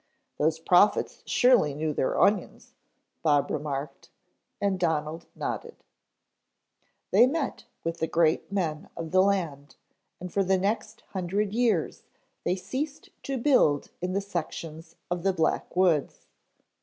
"Those prophets surely knew their onions," Bob remarked, and Donald nodded. "They met with the great men of the land, and for the next hundred years they ceased to build in the sections of the Black Woods.